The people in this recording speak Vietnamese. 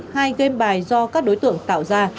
hai game bài do các đối tượng tạo ra